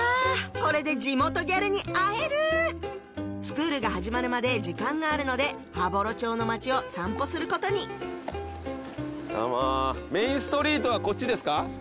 これで地元ギャルに会えるスクールが始まるまで時間があるので羽幌町の町を散歩することにどうもメインストリートはこっちですか？